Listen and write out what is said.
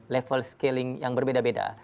level scaling yang berbeda beda